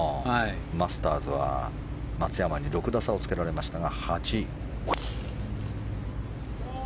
マスターズは松山に６打差をつけられましたが８位。